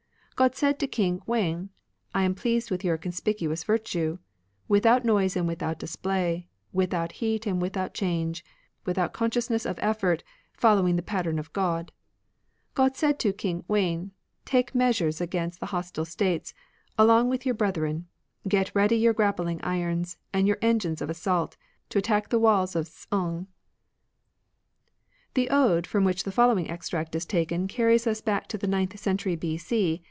God said to King Wdn, I am pleased with your conspicuous virtue, Without noise and without display. Without heat and without change, Without consciousness of effort, Following the pattern of God. God said to King Wen, Take measures against hostile States, Along with your brethren. Get ready yotir grappling irons. And your engines of assault. To attack the walls of Ts'ung. God The Ode from which the following sends Famine. extract is taken carries us back to the ninth century B.C.